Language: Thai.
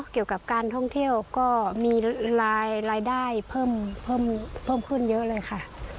เกี่ยวกับการท่องเที่ยวก็มีรายได้เพิ่มขึ้นเยอะเลยค่ะ